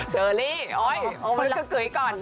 เชอร์ลี่โอ๊ยโอ้มกระเกยก่อน